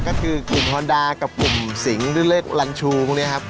ก็คือกลุ่มฮอนดากับกลุ่มสิงหรือเลขลันชูพวกนี้ครับ